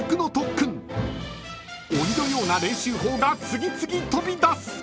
［鬼のような練習法が次々飛び出す］